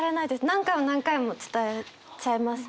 何回も何回も伝えちゃいますね。